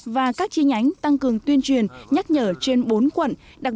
và các chi nhánh tăng cường tuyên truyền nhắc nhở trên bốn quận